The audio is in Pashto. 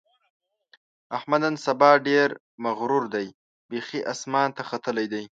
احمد نن سبا ډېر مغرور دی؛ بیخي اسمان ته ختلی دی.